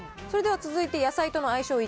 それでは続いて、野菜との相性